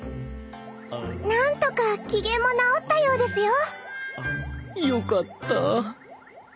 何とか機嫌も直ったようですよ。よかった。